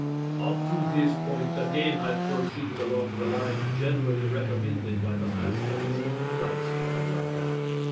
"Up to this point the game had proceeded along the lines generally recommended by the masters," writes Capablanca.